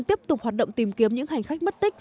tiếp tục hoạt động tìm kiếm những hành khách mất tích